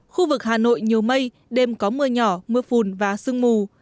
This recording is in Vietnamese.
khu vực hà nội nhiều mây đêm có mưa nhỏ mưa phùn và sương mù